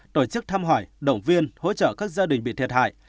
tổ chức thăm hỏi động viên hỗ trợ các gia đình bị thiệt hại